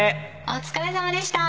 お疲れさまでした！